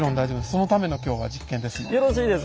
そのための今日は実験ですので。